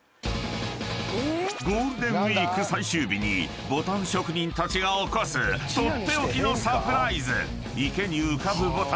［ゴールデンウイーク最終日に牡丹職人たちが起こす取って置きのサプライズ！］